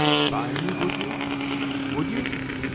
"Buy me, would you, would you?